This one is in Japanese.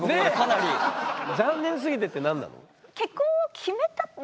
「残念すぎて」って何なの？